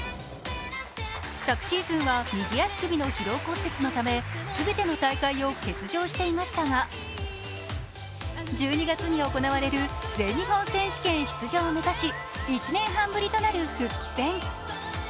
昨シーズンは右足首の疲労骨折のため全ての大会を欠場していましたが１２月に行われる全日本選手権出場を目指し、１年半ぶりとなる復帰戦。